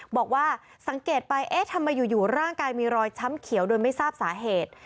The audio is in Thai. บอกว่าสังเกตไปเอ๊ะทำไมอยู่ร่างกายมีรอยช้ำเขียวโดยไม่ทราบสาเหตุ